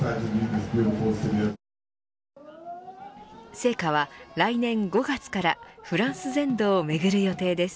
聖火は来年５月からフランス全土を巡る予定です。